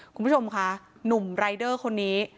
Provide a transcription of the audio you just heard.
คุณผู้ชมค่ะหนุ่มรายเดอร์คนนี้